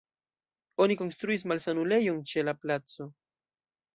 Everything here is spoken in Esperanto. Oni konstruis malsanulejon ĉe la placo.